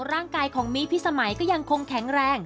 ร่างกายของมีพิสมัยก็ยังคงแข็งแรง